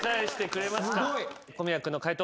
小宮君の解答